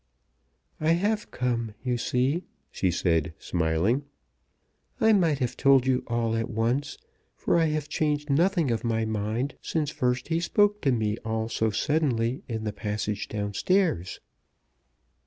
"I have come, you see," she said, smiling. "I might have told you all at once, for I have changed nothing of my mind since first he spoke to me all so suddenly in the passage down stairs."